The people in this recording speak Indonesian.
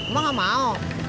lo gak mau